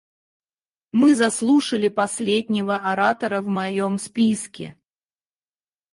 Мы заслушали последнего оратора в моем списке.